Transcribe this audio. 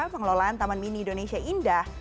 pengelolaan taman mini indonesia indah